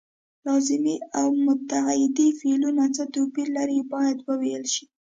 لازمي او متعدي فعلونه څه توپیر لري باید وویل شي.